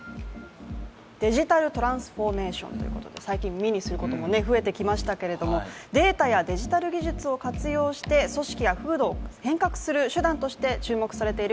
デジタルトランスフォーメーションということで最近、耳にすることも増えてきましたがデータやデジタル技術を活用して組織や風土を変革することで注目されている